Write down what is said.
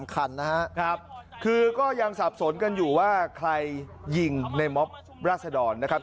คันนะครับคือก็ยังสับสนกันอยู่ว่าใครยิงในม็อบราศดรนะครับ